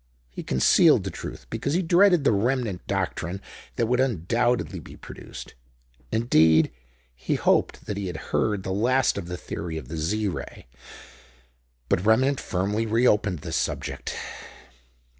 He concealed the truth because he dreaded the Remnant doctrine that would undoubtedly be produced; indeed, he hoped that he had heard the last of the theory of the Z Ray. But Remnant firmly reopened this subject.